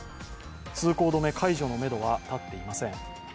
通行止め解除のめどは立っていません。